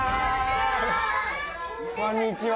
こんにちは。